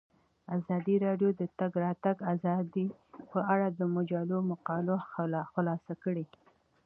ازادي راډیو د د تګ راتګ ازادي په اړه د مجلو مقالو خلاصه کړې.